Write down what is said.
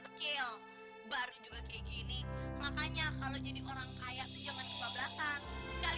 kecil baru juga kayak gini makanya kalau jadi orang kaya itu jangan ke dua belas an sekali